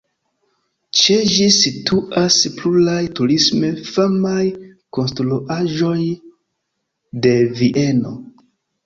Ĉe ĝi situas pluraj turisme famaj konstruaĵoj de Vieno.